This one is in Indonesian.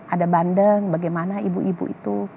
ada bandeng bagaimana ibu ibu itu